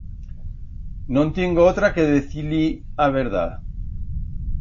No'n tiengo otra que decir-li a verdat.